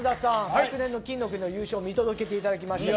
昨年、金の国の優勝見届けていただきました。